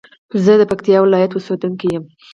زه د پکتيا ولايت اوسېدونکى يم.